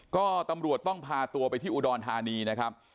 ก็ตำรวจต้องพาตัวไปที่อุดรธานีนะครับ